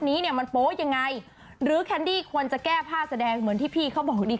นี้เนี่ยมันโป๊ยังไงหรือแคนดี้ควรจะแก้ผ้าแสดงเหมือนที่พี่เขาบอกดี